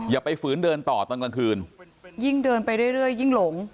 อย่าไปฝืนเดินต่อตอนกลางคืนยิ่งเดินไปเรื่อยยิ่งหลง